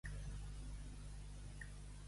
El mal de l'amor és mal de migranya.